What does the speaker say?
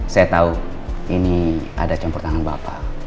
saya tahu ini ada campur tangan bapak